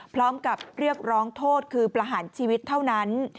พร้อมกับเรียกร้องโทษคือประหารชีวิตเท่านั้น